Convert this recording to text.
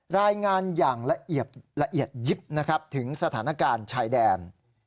รายงานอย่างละเอียดยิบถึงสถานการณ์ชายแดน